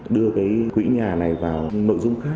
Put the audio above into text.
đưa quỹ nhà này vào nội dung khác